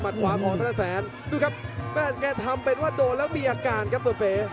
ดูครับแม่งแกทำเป็นว่าโดนแล้วมีอาการครับตัวเป๋